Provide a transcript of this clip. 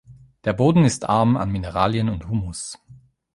Der Boden ist arm an Mineralien und Humus.